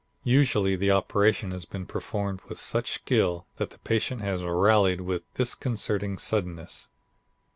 Usually the operation has been performed with such skill that the patient has rallied with disconcerting suddenness.